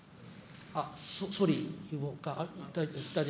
総理、大臣。